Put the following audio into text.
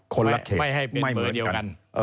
คนละเขตไม่เหมือนกัน